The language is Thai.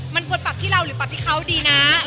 มันควรปรับที่เราหรือปรับที่เขาดีนะอะไรอย่างนี้